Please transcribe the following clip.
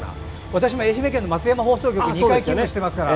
私も愛媛県松山放送局に２回勤務していますから。